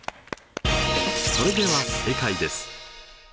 それでは正解です。